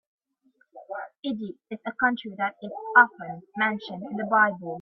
Egypt is a country that is often mentioned in the Bible.